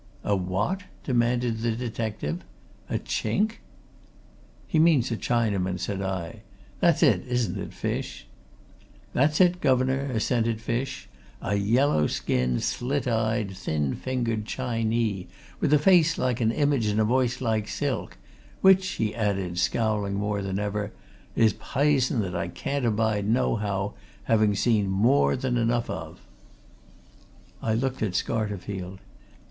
"A what?" demanded the detective. "A chink?" "He means a Chinaman," I said. "That's it, isn't it, Fish?" "That's it, guv'nor," assented Fish. "A yellow skinned, slit eyed, thin fingered Chinee, with a face like a image and a voice like silk which," he added, scowling more than ever, "is pison that I can't abide, nohow, having seen more than enough of." I looked at Scarterfield.